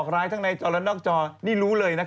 ร้ายทั้งในจอและนอกจอนี่รู้เลย